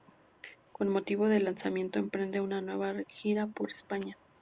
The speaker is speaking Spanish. Con motivo del lanzamiento, emprende una nueva gira por España.